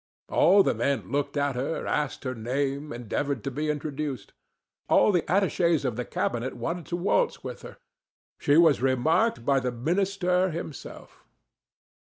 All the men looked at her, asked her name, endeavored to be introduced. All the attachés of the Cabinet wanted to waltz with her. She was remarked by the minister himself.